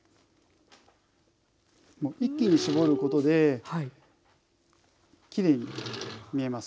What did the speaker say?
一気に絞ることできれいに見えます。